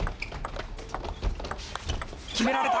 決められた。